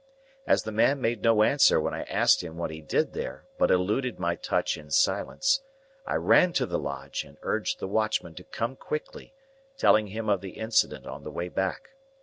As the man made no answer when I asked him what he did there, but eluded my touch in silence, I ran to the Lodge and urged the watchman to come quickly; telling him of the incident on the way back.